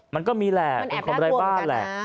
มันก็มีแหละเป็นคนไร้บ้านแหละ